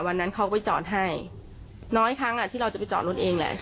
วันนั้นเขาก็ไปจอดให้น้อยครั้งอ่ะที่เราจะไปจอดรถเองแหละ